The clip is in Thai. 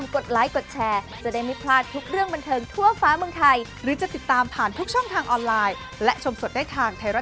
มันเทิงไทรัต